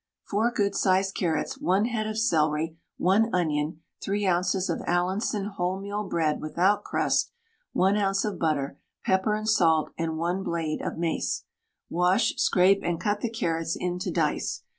4 good sized carrots, 1 head of celery, 1 onion, 3 oz. of Allinson wholemeal bread without crust, 1 oz. of butter, pepper and salt, and 1 blade of mace. Wash, scrape, and cut the carrots into dice.